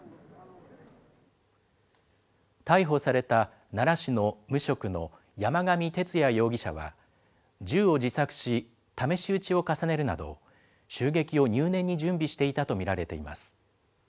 逮捕された、奈良市の無職の山上徹也容疑者は、銃を自作し、試し撃ちを重ねるなど、襲撃を入念に準備していたと見られています。